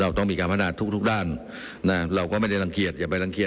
ถ้าต้องเฝ้าออกไปทีมยุคคลับออกไป